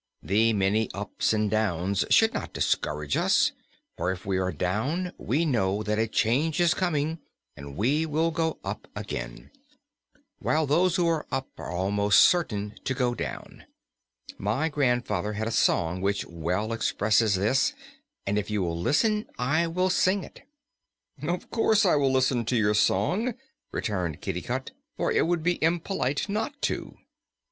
The many ups and downs should not discourage us, for if we are down, we know that a change is coming and we will go up again; while those who are up are almost certain to go down. My grandfather had a song which well expresses this and if you will listen I will sing it." "Of course I will listen to your song," returned Kitticut, "for it would be impolite not to."